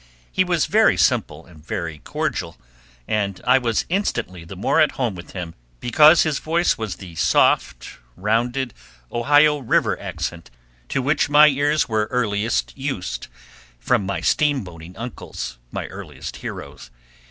He was very simple and very cordial, and I was instantly the more at home with him, because his voice was the soft, rounded, Ohio River accent to which my years were earliest used from my steamboating uncles, my earliest heroes.